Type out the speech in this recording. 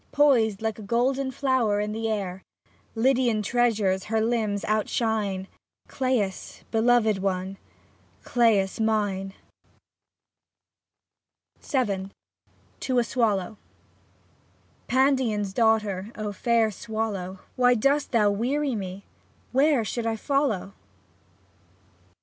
Poised like a golden flower in air, Lydian treasures her limbs outshine (Cla'is, beloved one, Clais mine !) VII TO A SWALLOW Pandion's daughter — O fair swallow, W^hy dost thou weary me — (Where should I follow ?)